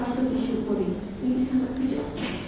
aku disyukuri ini sangat bijak